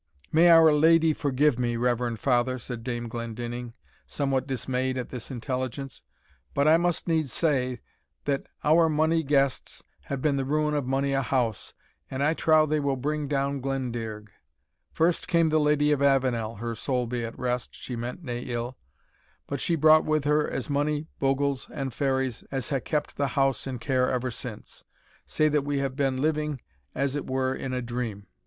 "May Our Lady forgive me, reverend father," said Dame Glendinning, somewhat dismayed at this intelligence, "but I must needs say, that ower mony guests have been the ruin of mony a house, and I trow they will bring down Glendearg. First came the Lady of Avenel (her soul be at rest she meant nae ill) but she brought with her as mony bogles and fairies, as hae kept the house in care ever since, sae that we have been living as it were in a dream.